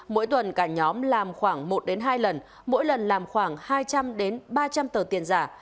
mỗi tuần cả nhóm làm khoảng một hai lần mỗi lần làm khoảng hai trăm linh ba trăm linh tờ tiền giả